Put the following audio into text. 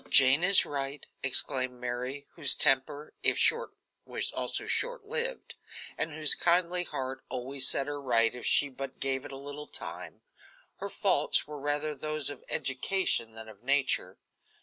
"Jane is right," exclaimed Mary, whose temper, if short, was also short lived, and whose kindly heart always set her right if she but gave it a little time. Her faults were rather those of education than of nature.